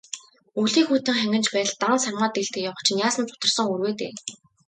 Өвлийн хүйтэн хангинаж байтал, дан сармай дээлтэй явах чинь яасан зутарсан үр вэ дээ.